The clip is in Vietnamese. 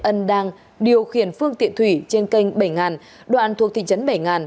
ấn đang điều khiển phương tiện thủy trên kênh bảy nghìn đoạn thuộc thị trấn bảy nghìn